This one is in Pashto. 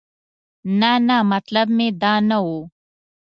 نه نه مطلب مې دا نه و.